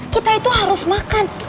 kita itu harus makan